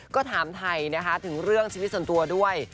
ก็ถามไทยนะคะถึงเรื่องชีวิตส่วนตัวด้วย